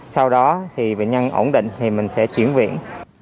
sau đó thì bệnh nhân ổn định thì mình sẽ chuyển viện